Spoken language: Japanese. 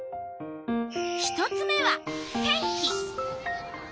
１つ目は天気。